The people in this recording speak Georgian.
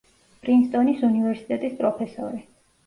პრინსტონის უნივერსიტეტის პროფესორი.